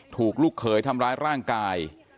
ลูกเขยทำร้ายร่างกาย